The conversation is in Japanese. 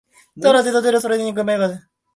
ただ、手と足はなかった。それに首から上も無かった。